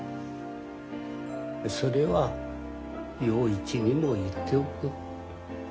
それは洋一にも言っておく。